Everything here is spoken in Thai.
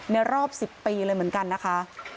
รอบ๑๐ปีเลยเหมือนกันนะคะ